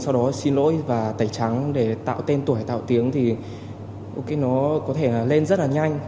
sau đó xin lỗi và tẩy trắng để tạo tên tuổi tạo tiếng thì nó có thể lên rất là nhanh